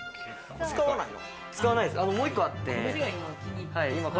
もう１個あって。